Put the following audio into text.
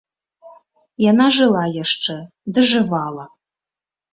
Яна жыла яшчэ, дажывала.